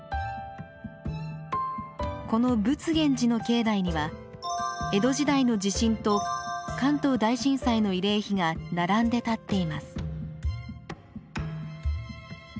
この佛現寺の境内には江戸時代の地震と関東大震災の慰霊碑が並んで立っています。